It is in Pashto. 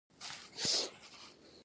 پوست ټولو لوی حسي غړی دی.